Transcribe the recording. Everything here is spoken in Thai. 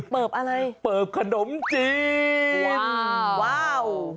เปิบอะไรเปิบขนมจีนว้าว